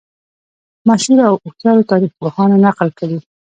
مشهورو او هوښیارو تاریخ پوهانو نقل کړې.